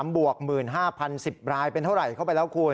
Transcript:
บวก๑๕๐๑๐รายเป็นเท่าไหร่เข้าไปแล้วคุณ